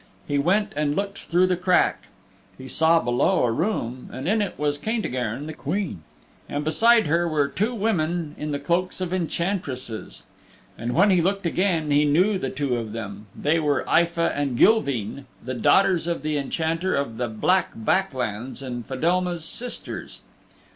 He went and looked through the crack. He saw below a room and in it was Caintigern, the Queen, and beside her were two women in the cloaks of enchantresses. And when he looked again he knew the two of them they were Aefa and Gilveen, the daughters of the enchanter of the Black Back Lands and Fedelma's sisters.